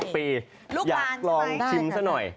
ปีอยากลองชิมซะหน่อย